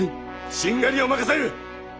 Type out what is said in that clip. しんがりを任せる！